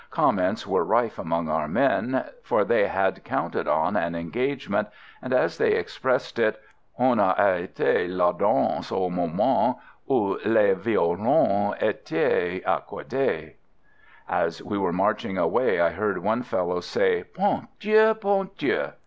"Comments were rife among our men, for they had counted on an engagement, and, as they expressed it: 'On a arrêté la danse au moment où les violons étaient accordés.' As we were marching away I heard one fellow say: '_Bon Dieu! bon Dieu!